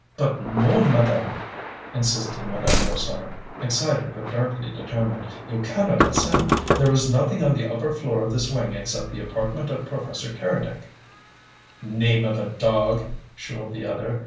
"But NO, madame," insisted Madame Brossard, excited but darkly determined. "You cannot ascend. There is nothing on the upper floor of this wing except the apartment of Professor Keredec." "Name of a dog!" shrilled the other.